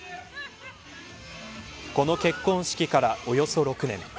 この結婚式から、およそ６年。